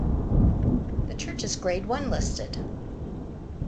The church is Grade One listed.